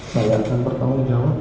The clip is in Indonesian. saya lakukan pertolongan jawab